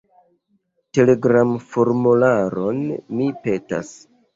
Telegram-formularon, mi petas.